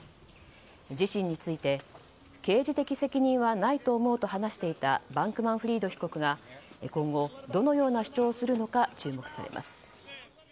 自身について刑事的責任はないと思うと話していたバンクマンフリード被告が今後どのような主張をするのか注目されます。